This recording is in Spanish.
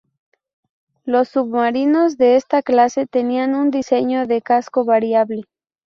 Los submarinos de esta clase tenían un diseño de casco variable.